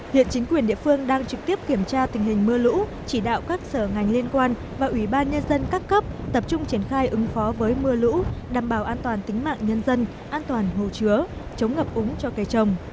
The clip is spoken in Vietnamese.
hiện chính quyền địa phương đang trực tiếp kiểm tra tình hình mưa lũ chỉ đạo các sở ngành liên quan và ủy ban nhân dân các cấp tập trung triển khai ứng phó với mưa lũ đảm bảo an toàn tính mạng nhân dân an toàn hồ chứa chống ngập úng cho cây trồng